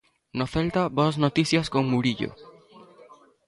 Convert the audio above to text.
No Celta, boas noticias con Murillo.